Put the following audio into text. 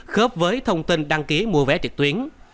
khớp với thông tin đăng ký mua vé trực tuyến